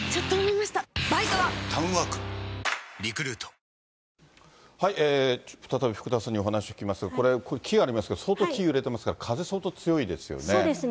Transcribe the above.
これ、再び福田さんにお話を聞きますが、これ、木ありますけど、相当、木揺れてますが、風相当強いですよね。